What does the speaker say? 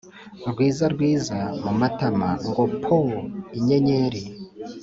rwiza rwiza mumatama ngo pooooooo inyenyeri